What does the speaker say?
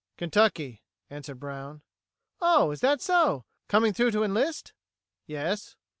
"Kentucky," answered Brown. "Oh, is that so? Coming through to enlist?" "Yes."